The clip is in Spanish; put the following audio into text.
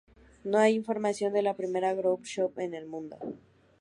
No hay información de la primera grow shop en el mundo.